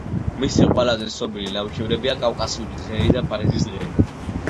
მისი ყველაზე ცნობილი ნამუშევრებია „კავკასიური დღეები“ და „პარიზის დღეები“.